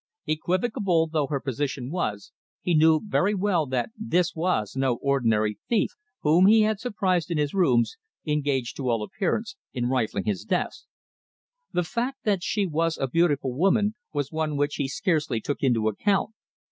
Equivocal though her position was, he knew very well that this was no ordinary thief whom he had surprised in his rooms, engaged to all appearance in rifling his desk. The fact that she was a beautiful woman was one which he scarcely took into account.